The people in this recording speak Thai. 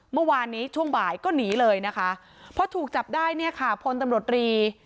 เมื่อวานนี้ช่วงบ่ายก็หนีเลยนะคะพอถูกจับได้เนี่ยค่ะพลตำรวจรี